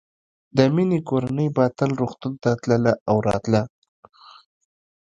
د مينې کورنۍ به تل روغتون ته تله او راتله